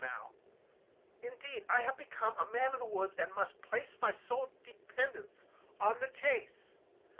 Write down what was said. Now, indeed, I have become a man of the woods, and must place my sole dependence on the chase.